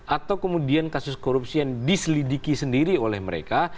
atau kemudian kasus korupsi yang diselidiki sendiri oleh mereka